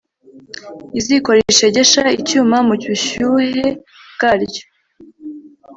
iziko rishegesha icyuma mu bushyuhe bwaryo